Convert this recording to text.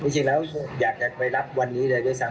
จริงแล้วอยากจะไปรับวันนี้เลยด้วยซ้ำ